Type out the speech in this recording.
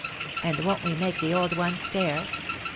And won't we make the old ones stare